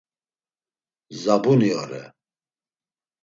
Zabuni ore.